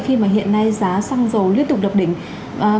khi mà hiện nay giá xăng dầu liên tục đập đỉnh